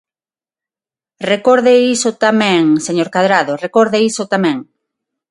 Recorde iso tamén, señor Cadrado, recorde iso tamén.